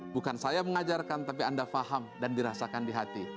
bukan saya mengajarkan tapi anda faham dan dirasakan di hati